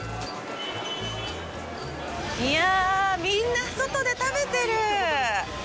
いや、みんな外で食べてる。